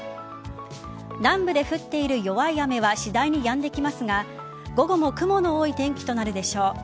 南部で降っている弱い雨は次第にやんできますが午後も雲の多い天気となるでしょう。